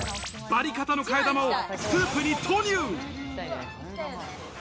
バリカタの替え玉をスープに投入。